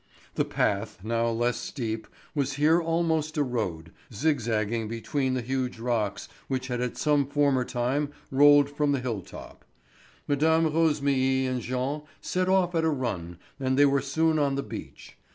The path, now less steep, was here almost a road, zigzagging between the huge rocks which had at some former time rolled from the hill top. Mme. Rosémilly and Jean set off at a run and they were soon on the beach.